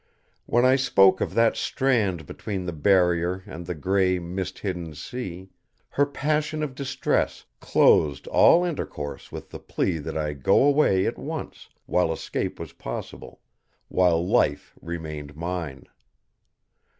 When I spoke of that strand between the Barrier and the gray mist hidden sea, her passion of distress closed all intercourse with the plea that I go away at once, while escape was possible, while life remained mine.